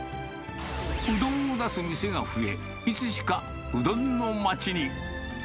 うどんを出す店が増え、いつしかうどんの街に。